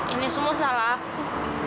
ini semua salah aku